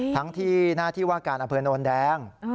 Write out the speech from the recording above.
ทั้งที่หน้าที่ว่าการอำเภอโนนแดง